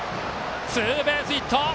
ツーベースヒット。